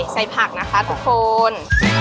ใส่ผักนะคะทุกคน